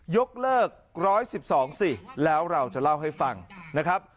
ยกเลิก๑๑๒สิแล้วเราจะเล่าให้ฟังนะครับ